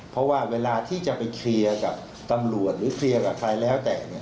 เพราะว่าเวลาที่จะไปเคลียร์กับตำรวจหรือเคลียร์กับใครแล้วแต่